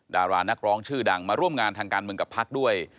ดารานักร้องชื่อดังมาร่วมงานทางการเมืองกับพักด้วย